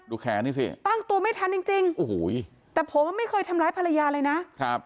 แขนนี่สิตั้งตัวไม่ทันจริงจริงโอ้โหแต่ผมอ่ะไม่เคยทำร้ายภรรยาเลยนะครับ